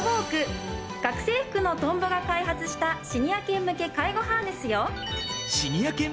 学生服のトンボが開発したシニア犬向け介護ハーネスよ。